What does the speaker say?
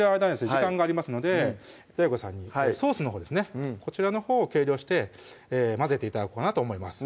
時間がありますのでＤＡＩＧＯさんにソースのほうですねこちらのほうを計量して混ぜて頂こうかなと思います